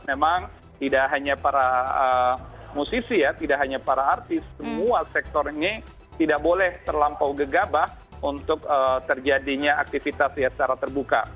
memang tidak hanya para musisi ya tidak hanya para artis semua sektor ini tidak boleh terlampau gegabah untuk terjadinya aktivitas secara terbuka